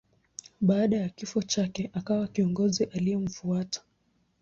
Baada ya kifo chake akawa kiongozi aliyemfuata.